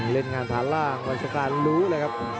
เร่นงานฐานร่าวันสกรานฤูปเลยครับ